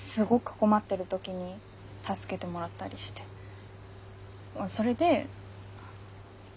困ってる時に助けてもらったりしてそれで。